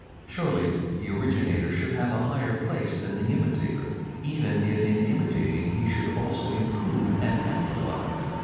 Surely the originator should have a higher place than the imitator, even if in imitating he should also improve and amplify.